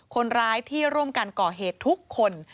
คนร้ายที่ร่วมกันก่อเหตุทุกคน